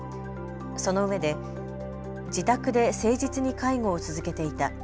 そのうえで自宅で誠実に介護を続けていた。